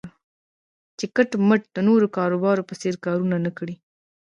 چې کټ مټ د نورو د کاروبار په څېر کارونه و نه کړي.